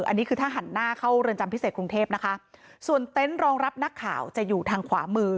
อันนี้คือถ้าหันหน้าเข้าเรือนจำพิเศษกรุงเทพนะคะส่วนเต็นต์รองรับนักข่าวจะอยู่ทางขวามือ